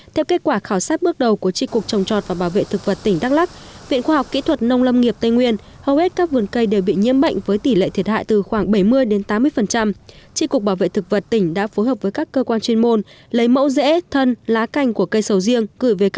theo kết quả khảo sát bước đầu của tri cục trồng trọt và bảo vệ thực vật tỉnh đắk lắc viện khoa học kỹ thuật nông lâm nghiệp tây nguyên hầu hết các vườn cây đều bị nhiễm bệnh với tỷ lệ thiệt hại từ khoảng bảy mươi tám mươi